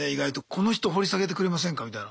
この人掘り下げてくれませんかみたいな。